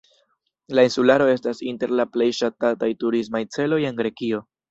La insularo estas inter la plej ŝatataj turismaj celoj en Grekio.